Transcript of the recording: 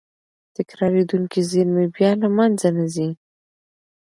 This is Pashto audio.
تکرارېدونکې زېرمې بیا له منځه نه ځي.